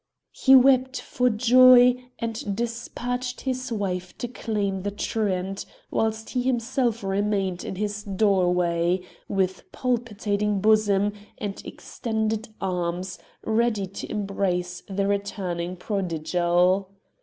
He P 209 Curiosities of Olden Times wept for joy, and despatched his wife to claim the truant, whilst he himself remained in his doorway, with palpitating bosom and extended arms, ready to embrace the returning prodigal.